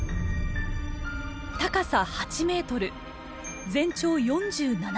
高さ８ｍ全長４７ｍ。